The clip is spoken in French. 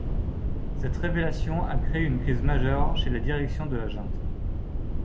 Cette révélation a créé une crise majeure chez la direction de la junte.